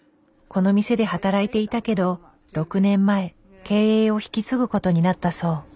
この店で働いていたけど６年前経営を引き継ぐことになったそう。